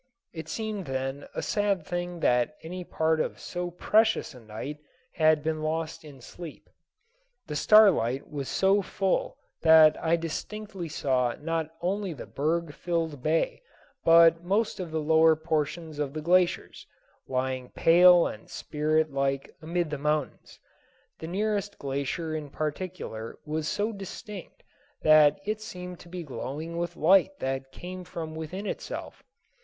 It seemed then a sad thing that any part of so precious a night had been lost in sleep. The starlight was so full that I distinctly saw not only the berg filled bay, but most of the lower portions of the glaciers, lying pale and spirit like amid the mountains. The nearest glacier in particular was so distinct that it seemed to be glowing with light that came from within itself.